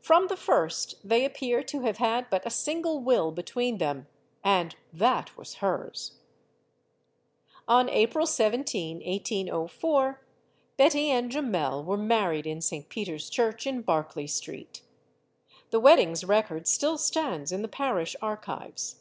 From the first, they appear to have had but a single will between them and that was hers. On April 1 7, 1 804, Betty and Jumel were married in St. Peter's Church in Barclay Street. The wedding's record still stands in the parish archives.